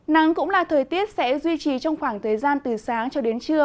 nắng cũng là thời tiết sẽ duy trì trong khoảng thời gian từ sáng cho đến trưa